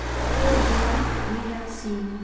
For while we have seen ....